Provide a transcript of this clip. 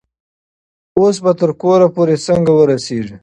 اوس به تر کوره پورې څنګه ورسیږي؟